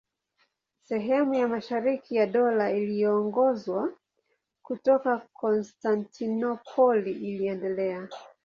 Sehemu ya mashariki ya Dola iliyoongozwa kutoka Konstantinopoli iliendelea.